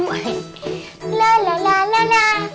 tuh lihat kan